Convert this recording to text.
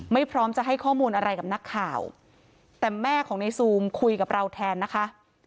พร้อมจะให้ข้อมูลอะไรกับนักข่าวแต่แม่ของในซูมคุยกับเราแทนนะคะ